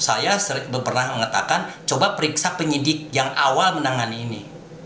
saya pernah mengatakan coba periksa penyidik yang awal menangani ini